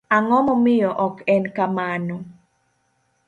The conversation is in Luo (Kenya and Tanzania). ang'o momiyo ok en kamano?